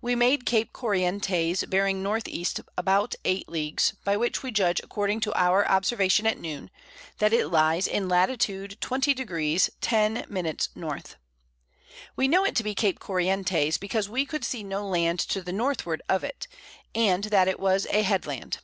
We made Cape Corientes bearing N.E. about 8 Leagues, by which we judge according to our Observation at Noon, that it lies in Lat. 20°. 10´´. N. We know it to be Cape Corientes, because we could see no Land to the Northward of it, and that it was a Head land.